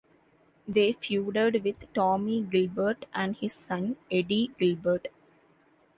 They feuded with Tommy Gilbert and his son, Eddie Gilbert.